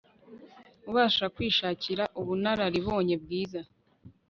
ubasha kwishakira ubunararibonye bwiza